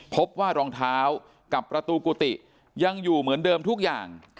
พบว่ารองเท้ากับประตูกุฏิยังอยู่เหมือนเดิมทุกอย่าง